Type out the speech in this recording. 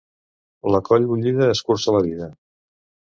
La col bullida acurça la vida.